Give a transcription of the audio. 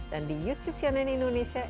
dan di youtube cnn indonesia